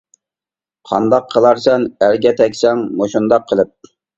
-قانداق قىلارسەن ئەرگە تەگسەڭ مۇشۇنداق قىلىپ.